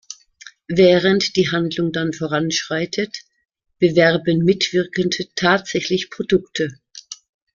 Während die Handlung dann voranschreitet, bewerben Mitwirkende tatsächlich Produkte.